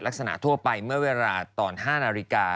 ทั่วไปเมื่อเวลาตอน๕นาฬิกา